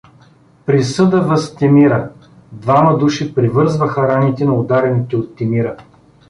Присъда въз Темира Двама души превързваха раните на ударените от Темира.